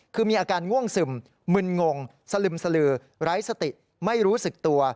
คือมีอาการง่วงซึมมึนงงสลึมสลือไร้สติไม่รู้สึกตัว